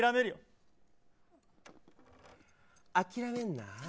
諦めるな。